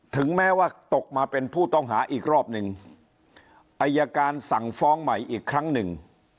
ถึงแม้ว่าตกมาเป็นผู้ต้องหาอีกรอบหนึ่งอายการสั่งฟ้องใหม่อีกครั้งหนึ่ง